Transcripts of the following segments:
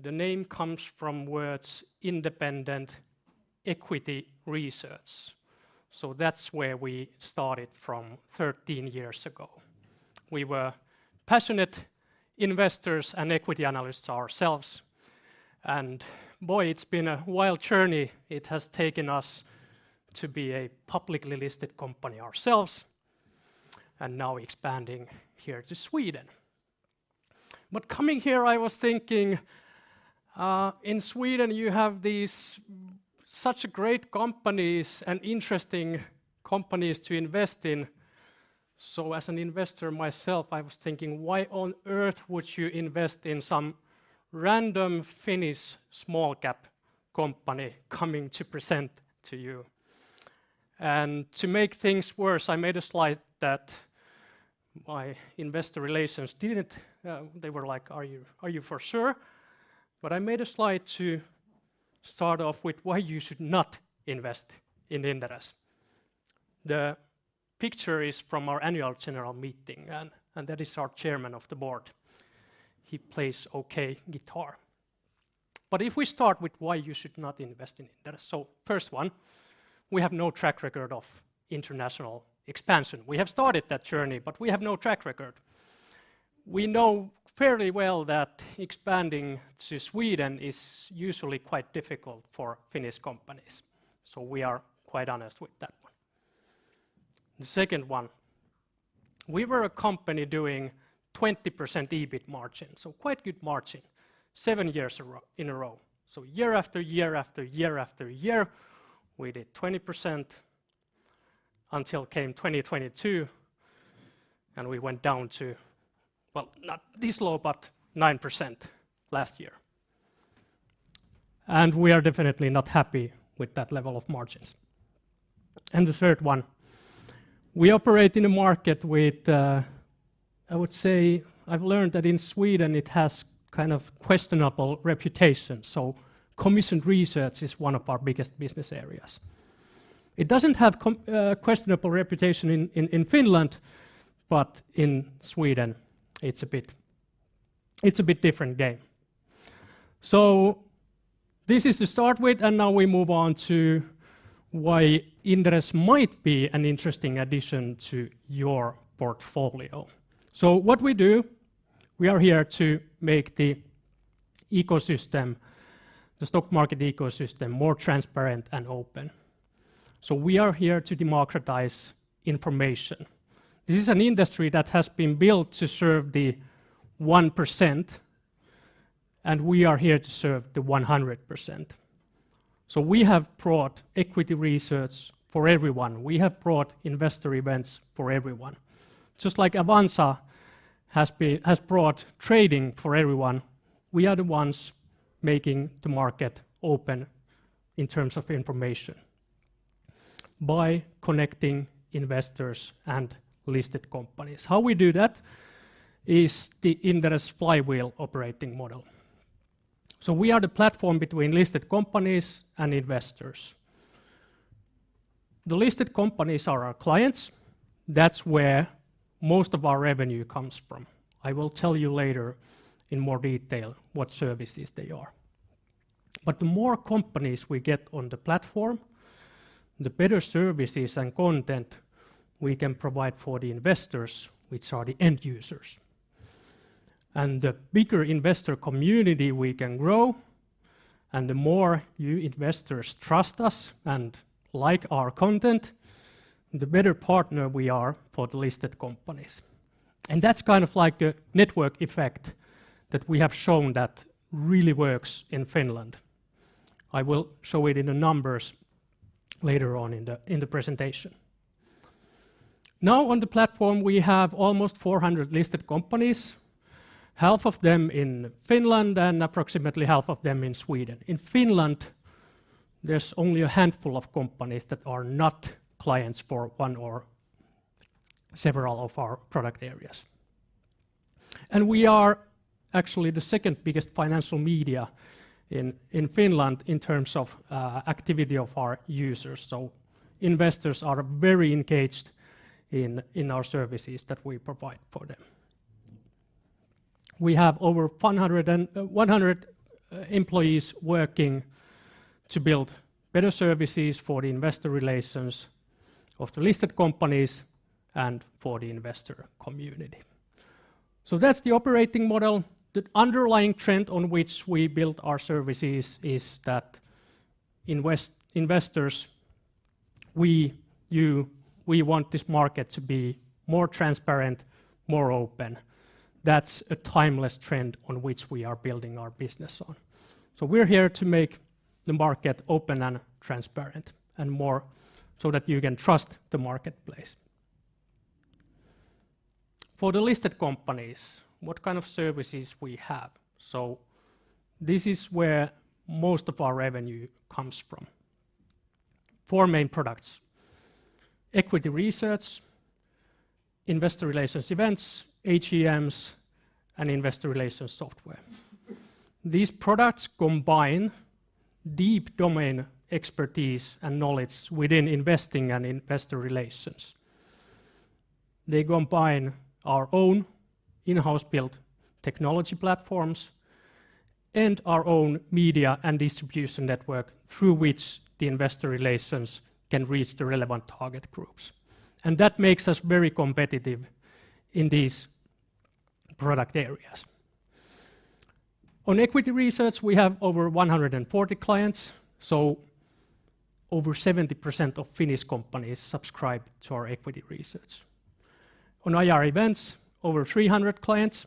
The name comes from words independent equity research. That's where we started from 13 years ago. We were passionate investors and equity analysts ourselves, and boy, it's been a wild journey. It has taken us to be a publicly listed company ourselves, and now expanding here to Sweden. Coming here, I was thinking, in Sweden, you have these such great companies and interesting companies to invest in. As an investor myself, I was thinking, "Why on earth would you invest in some random Finnish small cap company coming to present to you?" To make things worse, I made a slide that my investor relations didn't, they were like, "Are you for sure?" I made a slide to start off with why you should not invest in Inderes. The picture is from our annual general meeting, and that is our chairman of the board. He plays okay guitar. If we start with why you should not invest in Inderes. First one, we have no track record of international expansion. We have started that journey, but we have no track record. We know fairly well that expanding to Sweden is usually quite difficult for Finnish companies, so we are quite honest with that one. The second one, we were a company doing 20% EBIT margin, so quite good margin seven years in a row. Year after year after year after year, we did 20% until came 2022, and we went down to, well, not this low, but 9% last year. We are definitely not happy with that level of margins. The third one, we operate in a market with I would say I've learned that in Sweden it has kind of questionable reputation, commission research is one of our biggest business areas. It doesn't have questionable reputation in Finland, but in Sweden it's a bit different game. This is to start with, and now we move on to why Inderes might be an interesting addition to your portfolio. What we do, we are here to make the ecosystem, the stock market ecosystem, more transparent and open. We are here to democratize information. This is an industry that has been built to serve the 1%, and we are here to serve the 100%. We have brought equity research for everyone. We have brought investor events for everyone. Just like Avanza has brought trading for everyone, we are the ones making the market open in terms of information by connecting investors and listed companies. How we do that is the Inderes Flywheel operating model. We are the platform between listed companies and investors. The listed companies are our clients. That's where most of our revenue comes from. I will tell you later in more detail what services they are. The more companies we get on the platform, the better services and content we can provide for the investors, which are the end users. The bigger investor community we can grow, and the more you investors trust us and like our content, the better partner we are for the listed companies. That's kind of like a network effect that we have shown that really works in Finland. I will show it in the numbers later on in the, in the presentation. On the platform, we have almost 400 listed companies, half of them in Finland and approximately half of them in Sweden. In Finland, there's only a handful of companies that are not clients for one or several of our product areas. We are actually the second biggest financial media in Finland in terms of activity of our users. Investors are very engaged in our services that we provide for them. We have over 100 employees working to build better services for the investor relations of the listed companies and for the investor community. That's the operating model. The underlying trend on which we build our services is that investors, we want this market to be more transparent, more open. That's a timeless trend on which we are building our business on. We're here to make the market open and transparent and more so that you can trust the marketplace. For the listed companies, what kind of services we have? This is where most of our revenue comes from. Four main products: equity research, investor relations events, AGMs, and investor relations software. These products combine deep domain expertise and knowledge within investing and investor relations. They combine our own in-house built technology platforms and our own media and distribution network through which the investor relations can reach the relevant target groups. That makes us very competitive in these product areas. On equity research, we have over 140 clients, so over 70% of Finnish companies subscribe to our equity research. On IR events, over 300 clients.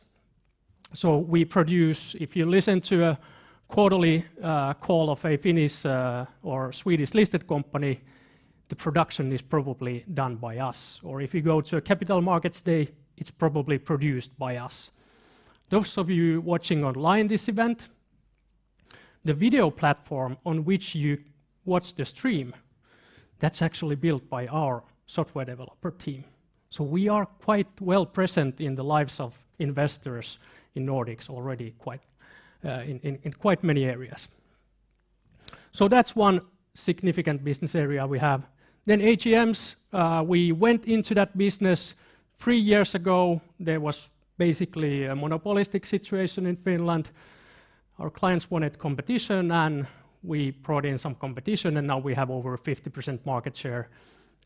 If you listen to a quarterly call of a Finnish or Swedish-listed company, the production is probably done by us. If you go to a Capital Markets Day, it's probably produced by us. Those of you watching online this event, the video platform on which you watch the stream, that's actually built by our software developer team. We are quite well present in the lives of investors in Nordics already quite in quite many areas. That's one significant business area we have. AGMs, we went into that business three years ago. There was basically a monopolistic situation in Finland. Our clients wanted competition, we brought in some competition, now we have over a 50% market share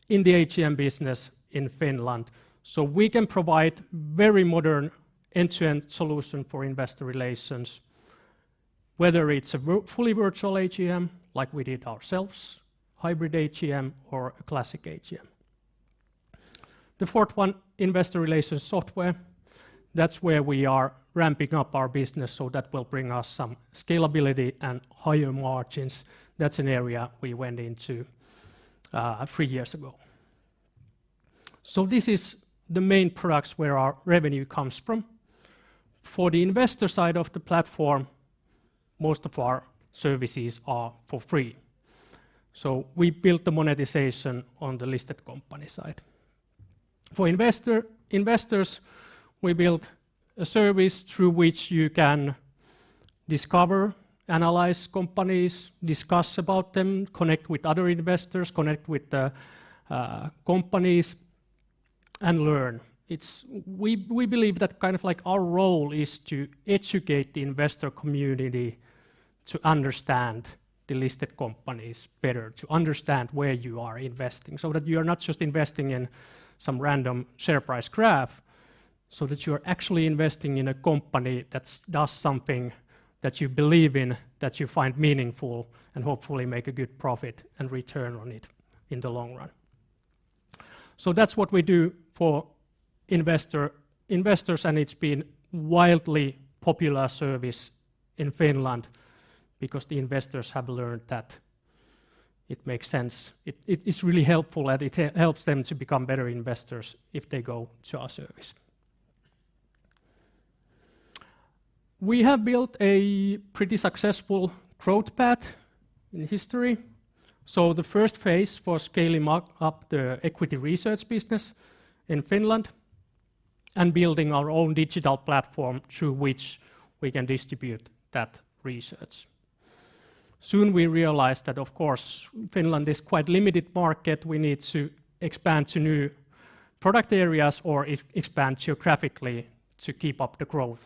in the AGM business in Finland. We can provide very modern end-to-end solution for investor relations, whether it's a fully virtual AGM, like we did ourselves, hybrid AGM or a classic AGM. The fourth one, investor relations software, that's where we are ramping up our business so that will bring us some scalability and higher margins. That's an area we went into three years ago. This is the main products where our revenue comes from. For the investor side of the platform, most of our services are for free. We built the monetization on the listed company side. For investors, we built a service through which you can discover, analyze companies, discuss about them, connect with other investors, connect with the companies and learn. We believe that kind of like our role is to educate the investor community to understand the listed companies better, to understand where you are investing, so that you are not just investing in some random share price graph, so that you are actually investing in a company that does something that you believe in, that you find meaningful, and hopefully make a good profit and return on it in the long run. That's what we do for investors, it's been wildly popular service in Finland because the investors have learned that it makes sense. It is really helpful, it helps them to become better investors if they go to our service. We have built a pretty successful growth path in history. The first phase was scaling up the equity research business in Finland and building our own digital platform through which we can distribute that research. We realized that, of course, Finland is quite limited market. We need to expand to new product areas or expand geographically to keep up the growth.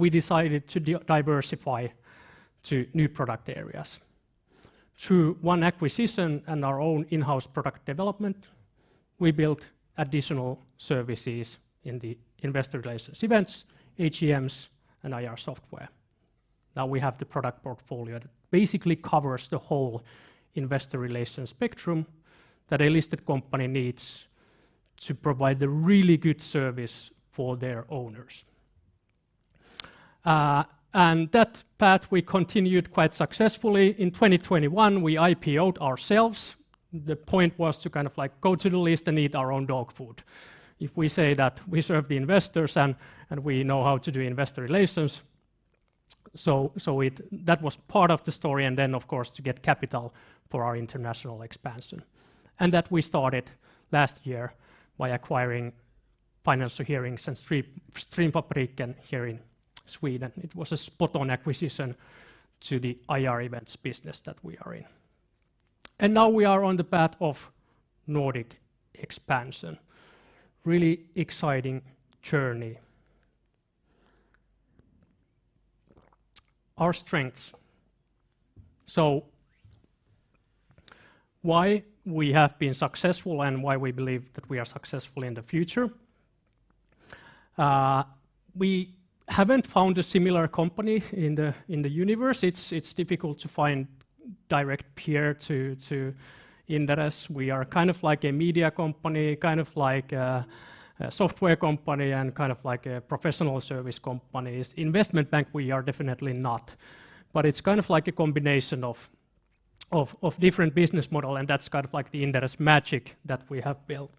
We decided to diversify to new product areas. Through one acquisition and our own in-house product development, we built additional services in the investor relations events, AGMs and IR software. We have the product portfolio that basically covers the whole investor relations spectrum that a listed company needs to provide the really good service for their owners. That path we continued quite successfully. In 2021, we IPO'd ourselves. The point was to kind of like go to the list and eat our own dog food. If we say that we serve the investors and we know how to do investor relations, so it that was part of the story, and then, of course, to get capital for our international expansion. That we started last year by acquiring Financial Hearings and Streamfabriken here in Sweden. It was a spot on acquisition to the IR events business that we are in. Now we are on the path of Nordic expansion. Really exciting journey. Our strengths. Why we have been successful and why we believe that we are successful in the future. We haven't found a similar company in the universe. It's difficult to find direct peer to Inderes. We are kind of like a media company, kind of like a software company, and kind of like a professional service companies. Investment bank, we are definitely not. It's kind of like a combination of different business model, and that's kind of like the Inderes magic that we have built.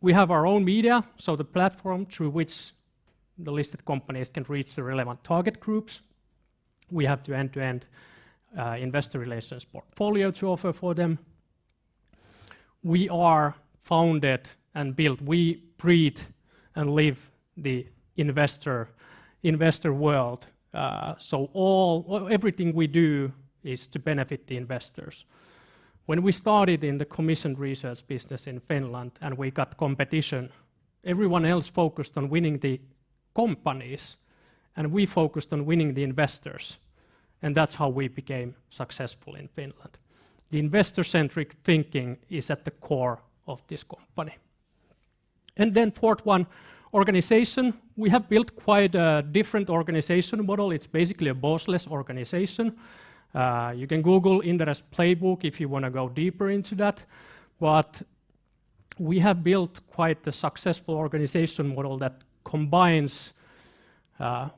We have our own media, so the platform through which the listed companies can reach the relevant target groups. We have the end-to-end investor relations portfolio to offer for them. We are founded and built. We breed and live the investor world. Everything we do is to benefit the investors. When we started in the commission research business in Finland, and we got competition, everyone else focused on winning the companies, and we focused on winning the investors, and that's how we became successful in Finland. The investor-centric thinking is at the core of this company. Fourth one, organization. We have built quite a different organization model. It's basically a bossless organization. You can Google Inderes playbook if you wanna go deeper into that. We have built quite the successful organization model that combines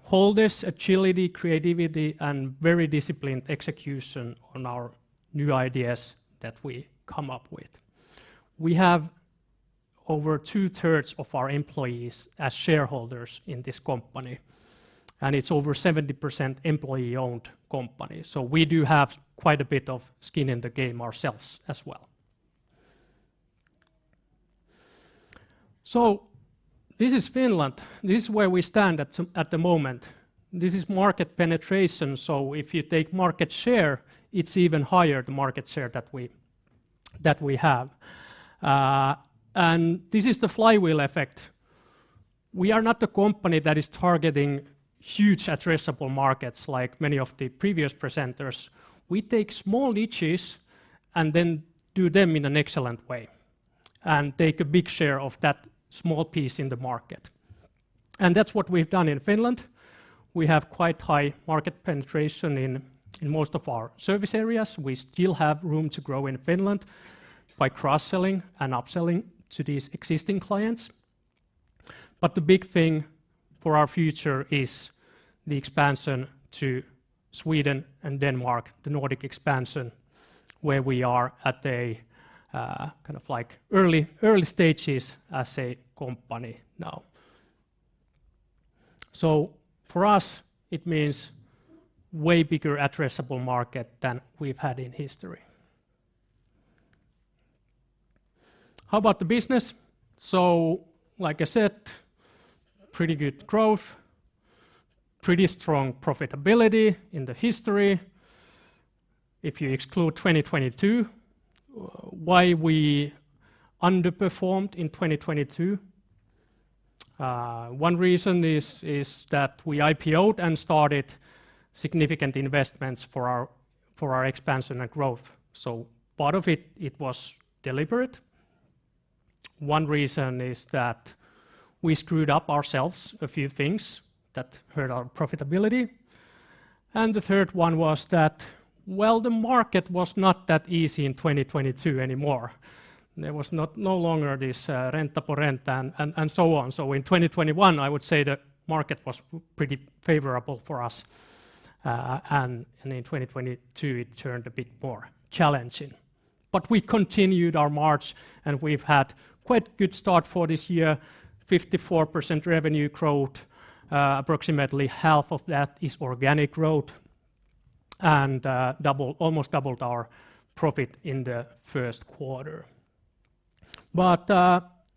holders, agility, creativity, and very disciplined execution on our new ideas that we come up with. We have over 2/3 of our employees as shareholders in this company, and it's over 70% employee-owned company. We do have quite a bit of skin in the game ourselves as well. This is Finland. This is where we stand at the moment. This is market penetration, so if you take market share, it's even higher, the market share that we have. This is the Flywheel effect. We are not the company that is targeting huge addressable markets like many of the previous presenters. We take small niches and then do them in an excellent way and take a big share of that small piece in the market. That's what we've done in Finland. We have quite high market penetration in most of our service areas. We still have room to grow in Finland by cross-selling and up-selling to these existing clients. The big thing for our future is the expansion to Sweden and Denmark, the Nordic expansion, where we are at a kind of like early stages as a company now. For us, it means way bigger addressable market than we've had in history. How about the business? Like I said, pretty good growth, pretty strong profitability in the history, if you exclude 2022. Why we underperformed in 2022? One reason is that we IPO'd and started significant investments for our expansion and growth. Part of it was deliberate. One reason is that we screwed up ourselves a few things that hurt our profitability. The third one was that, well, the market was not that easy in 2022 anymore. There was not, no longer this, ränta på ränta and so on. In 2021, I would say the market was pretty favorable for us. In 2022, it turned a bit more challenging. We continued our march, and we've had quite good start for this year. 54% revenue growth, approximately half of that is organic growth, and almost doubled our profit in the first quarter.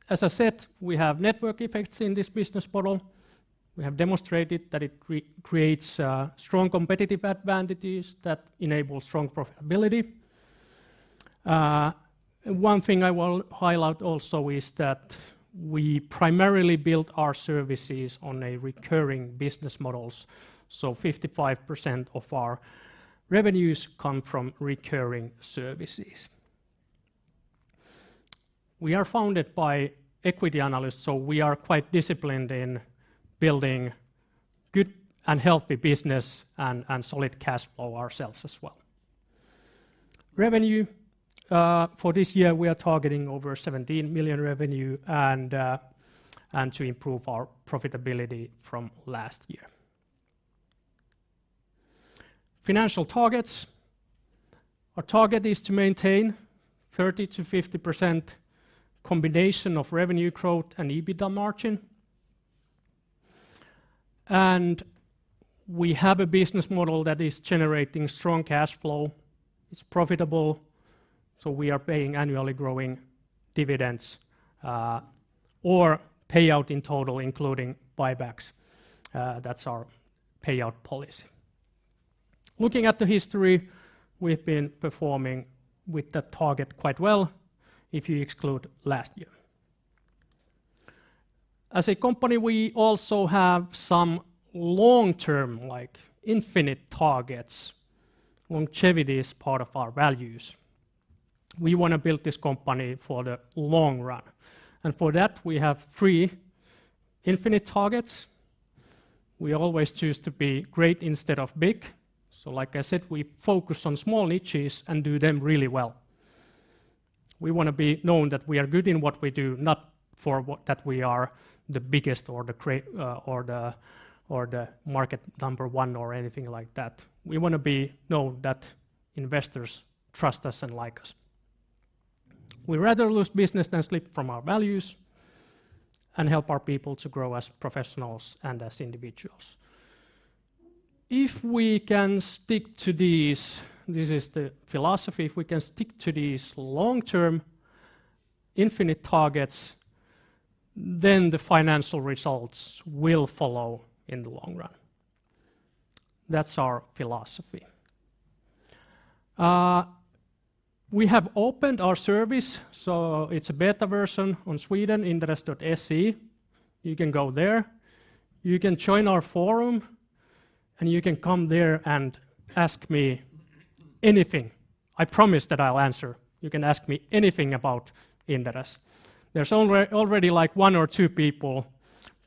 As I said, we have network effects in this business model. We have demonstrated that it creates strong competitive advantages that enable strong profitability. One thing I will highlight also is that we primarily build our services on a recurring business models. 55% of our revenues come from recurring services. We are founded by equity analysts, so we are quite disciplined in building good and healthy business and solid cash flow ourselves as well. Revenue for this year, we are targeting over 17 million revenue and to improve our profitability from last year. Financial targets. Our target is to maintain 30%-50% combination of revenue growth and EBITDA margin. We have a business model that is generating strong cash flow. It's profitable, so we are paying annually growing dividends or payout in total including buybacks. That's our payout policy. Looking at the history, we've been performing with the target quite well, if you exclude last year. As a company, we also have some long-term, like, infinite targets. Longevity is part of our values. We wanna build this company for the long run. For that, we have three infinite targets. We always choose to be great instead of big. Like I said, we focus on small niches and do them really well. We wanna be known that we are good in what we do, not for what, that we are the biggest or the market number one or anything like that. We wanna be known that investors trust us and like us. We rather lose business than slip from our values and help our people to grow as professionals and as individuals. If we can stick to these, this is the philosophy, if we can stick to these long-term infinite targets, then the financial results will follow in the long run. That's our philosophy. We have opened our service, so it's a beta version on Sweden, inderes.se. You can go there. You can join our forum, and you can come there and ask me anything. I promise that I'll answer. You can ask me anything about Inderes. There's already, like, one or two people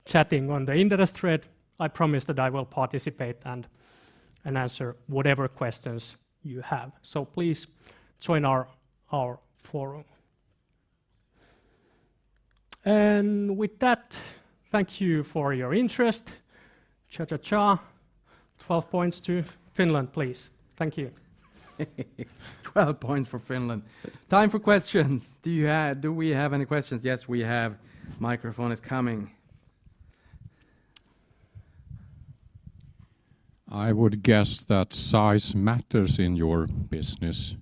chatting on the Inderes thread. I promise that I will participate and answer whatever questions you have. Please join our forum. With that, thank you for your interest. Cha, cha. 12 points to Finland, please. Thank you. 12 points for Finland. Time for questions. Do we have any questions? Yes, we have. Microphone is coming. I would guess that size matters in your business.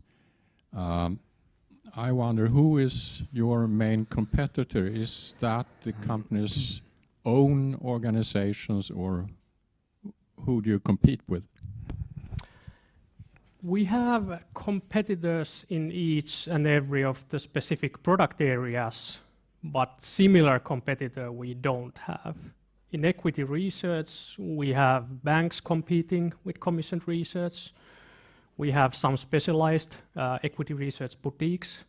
I wonder, who is your main competitor? Is that the company's own organizations, or who do you compete with? We have competitors in each and every of the specific product areas, but similar competitor we don't have. In equity research, we have banks competing with commissioned research. We have some specialized equity research boutiques.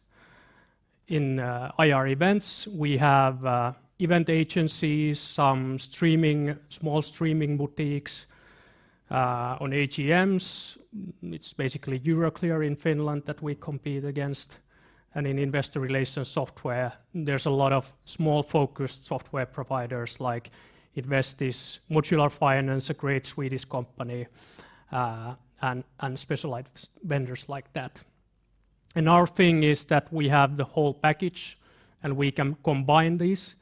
In IR events, we have event agencies, some streaming, small streaming boutiques. On AGMs, it's basically Euroclear Finland that we compete against. In investor relations software, there's a lot of small focused software providers like Investis, Modular Finance, a great Swedish company, and specialized vendors like that. Our thing is that we have the whole package, and we can combine these.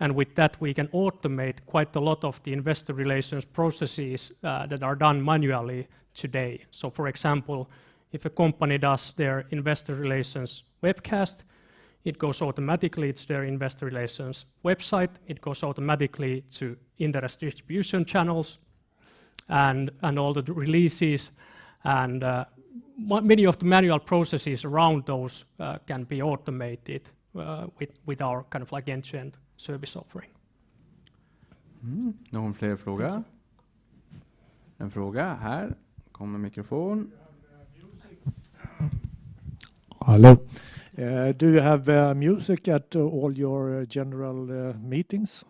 With that, we can automate quite a lot of the investor relations processes that are done manually today. For example, if a company does their investor relations webcast, it goes automatically to their investor relations website. It goes automatically to Inderes distribution channels and all the releases. Many of the manual processes around those can be automated with our kind of like end-to-end service offering. Någon fler fråga? En fråga här. Kom med mikrofon. Hello. Do you have music at all your general meetings?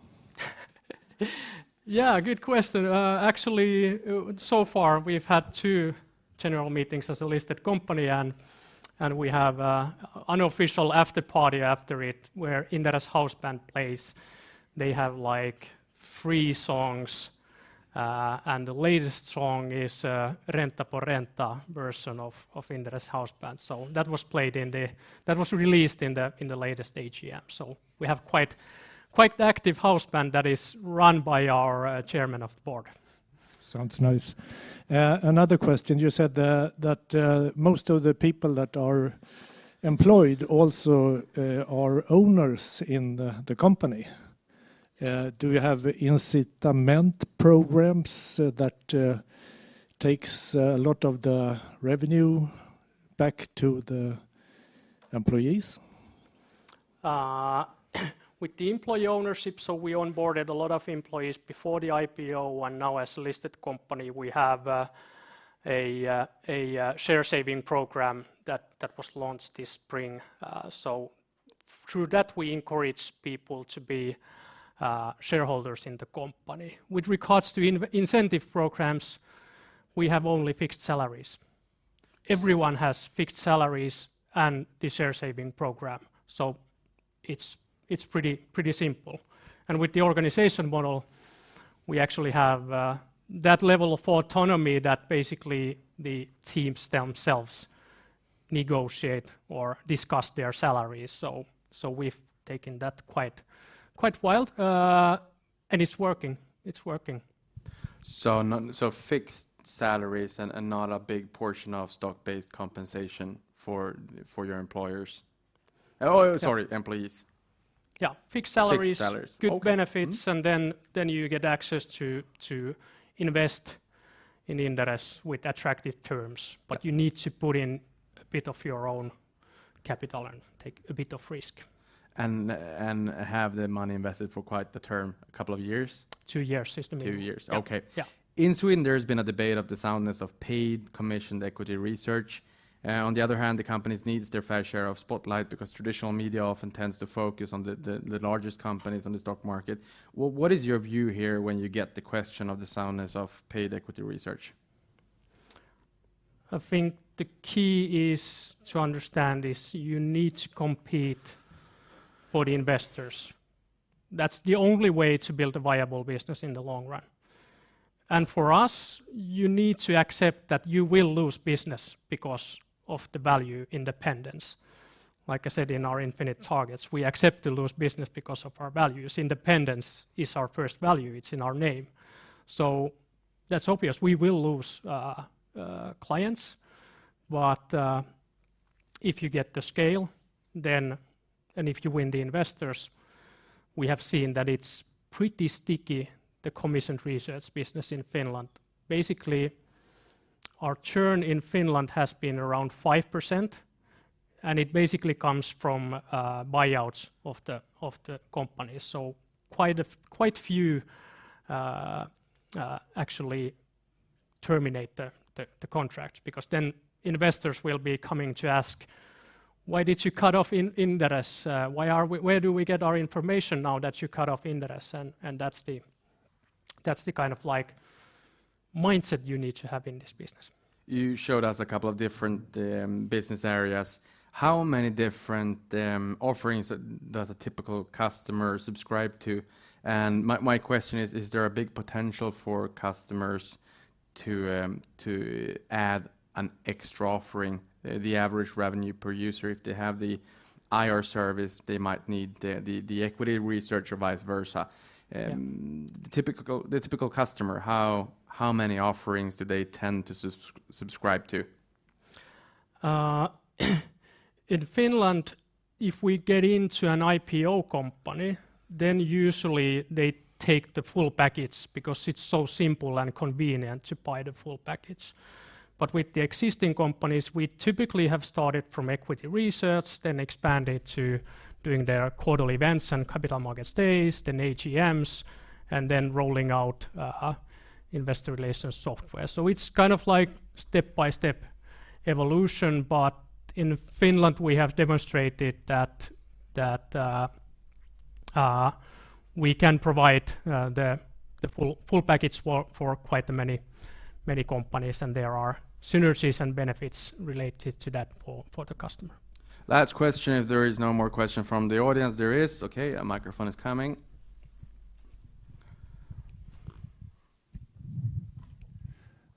Good question. Actually, so far we've had two general meetings as a listed company and we have a unofficial after party after it where Inderes house band plays. They have, like, three songs, and the latest song is Renta på Renta version of Inderes house band. That was released in the, in the latest AGM. We have quite active house band that is run by our chairman of the board. Sounds nice. Another question, you said that most of the people that are employed also are owners in the company. Do you have incitament programs that takes a lot of the revenue back to the employees? With the employee ownership, so we onboarded a lot of employees before the IPO, and now as a listed company, we have a share savings program that was launched this spring. Through that, we encourage people to be shareholders in the company. With regards to incentive programs, we have only fixed salaries. Everyone has fixed salaries and the share savings program. It's pretty simple. With the organization model, we actually have that level of autonomy that basically the teams themselves negotiate or discuss their salaries. We've taken that quite wild. It's working. It's working. fixed salaries and not a big portion of stock-based compensation for your employers. Oh, sorry, employees. Yeah. Fixed salaries- Fixed salaries. Good benefits. Okay. Mm-hmm. Then you get access to invest in Inderes with attractive terms. Yeah. You need to put in a bit of your own capital and take a bit of risk. Have the money invested for quite the term, a couple of years? 2 years is the minimum. Two years. Okay. Yeah. Yeah. In Sweden, there's been a debate of the soundness of paid commissioned equity research. On the other hand, the companies needs their fair share of spotlight because traditional media often tends to focus on the largest companies on the stock market. Well, what is your view here when you get the question of the soundness of paid equity research? I think the key is to understand is you need to compete for the investors. That's the only way to build a viable business in the long run. For us, you need to accept that you will lose business because of the value independence. Like I said, in our infinite targets, we accept to lose business because of our values. Independence is our first value. It's in our name. That's obvious, we will lose clients, if you get the scale, and if you win the investors, we have seen that it's pretty sticky, the commission research business in Finland. Our churn in Finland has been around 5%, and it basically comes from buyouts of the company. Quite few, actually terminate the contract because then investors will be coming to ask, "Why did you cut off Inderes? Where do we get our information now that you cut off Inderes?" That's the kind of like mindset you need to have in this business. You showed us a couple of different business areas. How many different offerings does a typical customer subscribe to? My question is there a big potential for customers to add an extra offering? The average revenue per user if they have the IR service, they might need the equity research or vice versa. Yeah. The typical customer, how many offerings do they tend to subscribe to? In Finland, if we get into an IPO company, then usually they take the full package because it's so simple and convenient to buy the full package. With the existing companies, we typically have started from equity research, then expanded to doing their quarterly events and Capital Markets Days, then AGMs, and then rolling out investor relations software. It's kind of like step-by-step evolution, but in Finland, we have demonstrated that we can provide the full package for quite a many, many companies, and there are synergies and benefits related to that for the customer. Last question, if there is no more question from the audience. There is? Okay, a microphone is coming.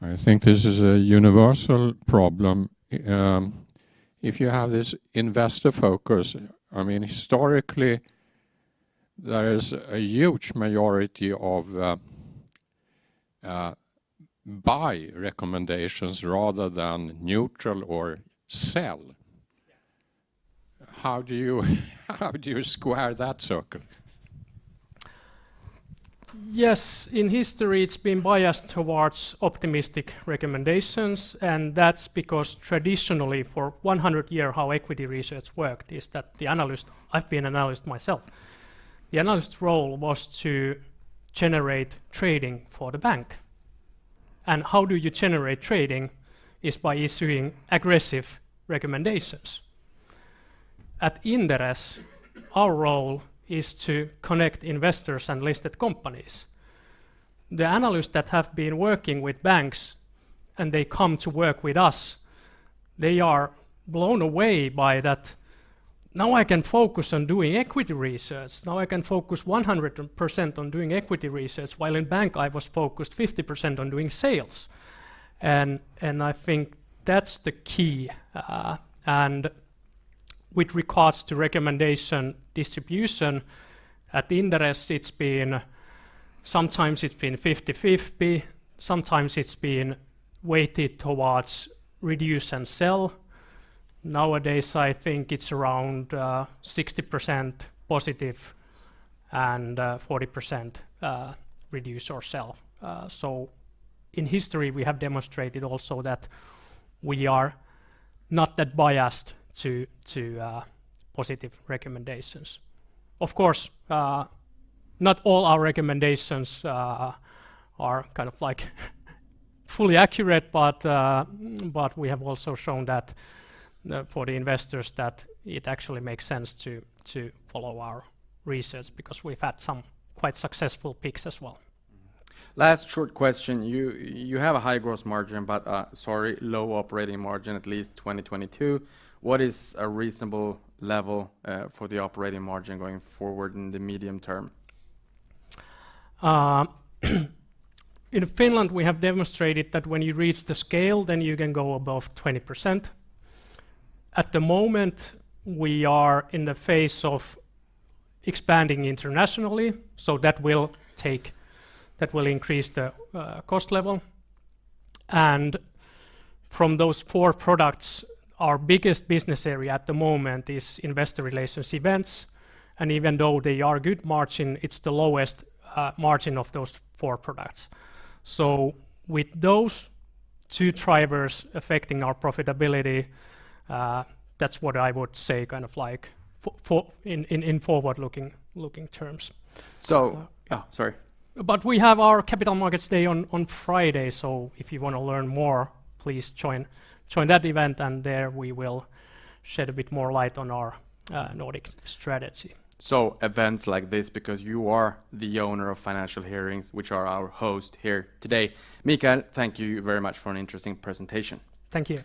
I think this is a universal problem. If you have this investor focus, historically, there is a huge majority of buy recommendations rather than neutral or sell. Yeah. How do you square that circle? Yes. In history, it's been biased towards optimistic recommendations, that's because traditionally, for 100 year, how equity research worked is that the analyst, I've been analyst myself, the analyst's role was to generate trading for the bank. How do you generate trading is by issuing aggressive recommendations. At Inderes, our role is to connect investors and listed companies. The analysts that have been working with banks, and they come to work with us, they are blown away by that, "Now I can focus on doing equity research. Now I can focus 100% on doing equity research, while in bank, I was focused 50% on doing sales." I think that's the key. With regards to recommendation distribution, at Inderes, it's been sometimes it's been 50-50, sometimes it's been weighted towards reduce and sell. Nowadays, I think it's around 60% positive and 40% reduce or sell. In history, we have demonstrated also that we are not that biased to positive recommendations. Of course, not all our recommendations are kind of like fully accurate, but we have also shown that for the investors that it actually makes sense to follow our research because we've had some quite successful picks as well. Last short question. You have a high gross margin, sorry, low operating margin, at least 2022. What is a reasonable level for the operating margin going forward in the medium term? In Finland, we have demonstrated that when you reach the scale, then you can go above 20%. At the moment, we are in the phase of expanding internationally, that will increase the cost level. From those four products, our biggest business area at the moment is investor relations events. Even though they are good margin, it's the lowest margin of those four products. With those two drivers affecting our profitability, that's what I would say kind of like in forward-looking terms. Oh, sorry. We have our Capital Markets Day on Friday. If you wanna learn more, please join that event, and there we will shed a bit more light on our Nordic strategy. Events like this because you are the owner of Financial Hearings, which are our host here today. Mikael, thank you very much for an interesting presentation. Thank you.